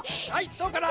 どうかな？